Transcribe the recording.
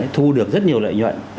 thu được rất nhiều lợi nhuận